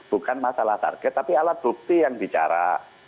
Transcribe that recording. bukan masalah target tapi alat bukti yang bicara